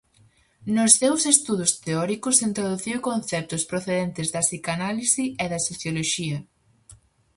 Nos seus estudos teóricos introduciu conceptos procedentes da psicanálise e da socioloxía.